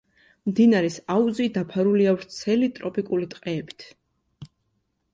მდინარის აუზი დაფარულია ვრცელი ტროპიკული ტყეებით.